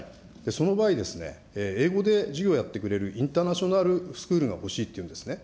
その場合、英語で授業をやってくれるインターナショナルスクールが欲しいっていうんですね。